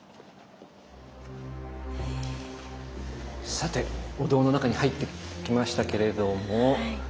さてお堂の中に入ってきましたけれども。